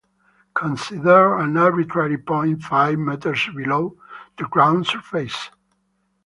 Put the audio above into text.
Consider an arbitrary point five meters below the ground surface.